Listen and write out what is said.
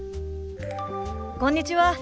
こんにちは。